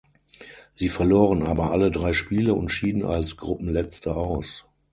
Sie verloren aber alle drei Spiele und schieden als Gruppenletzte aus.